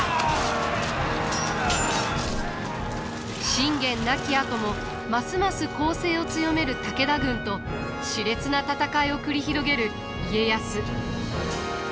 信玄亡きあともますます攻勢を強める武田軍としれつな戦いを繰り広げる家康。